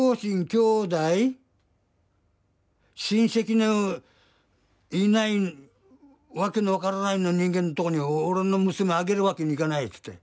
きょうだい親戚のいない訳の分からないような人間のとこに俺の娘あげるわけにいかないつって。